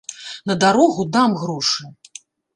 На дарогу дам грошы.